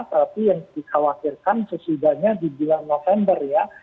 tapi yang dikhawatirkan sesudahnya di bulan november ya